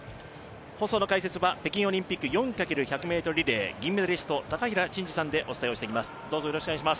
放送の解説は、北京オリンピック４×１００ｍリレー銀メダリスト・高平慎士さんでお伝えしてまいります。